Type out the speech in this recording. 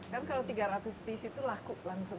kan kalau tiga ratus pace itu laku langsung